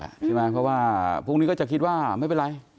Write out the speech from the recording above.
ใช่ไหมเพราะว่าพรุ่งนี้ก็จะคิดว่าไม่เป็นไร